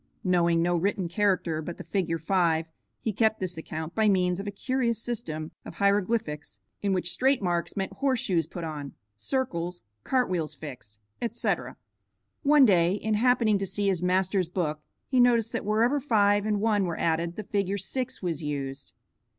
Knowing no written character but the figure 5 he kept this account by means of a curious system of hieroglyphics in which straight marks meant horse shoes put on, circles, cart wheels fixed, etc. One day in happening to see his master's book he noticed that wherever five and one were added the figure 6 was used.